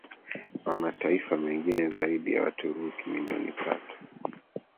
wa mataifa mengine Zaidi ya Waturuki milioni tatu